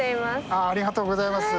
ありがとうございます。